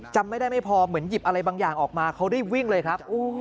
จำไม่ได้ไม่พอเหมือนหยิบอะไรบางอย่างออกมาเขาได้วิ่งเลยครับ